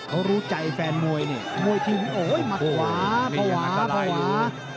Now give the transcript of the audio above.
เขารู้ใจแฟนมวยนี่มวยทีวีโอ้ยหมัดขวาภาวะภาวะ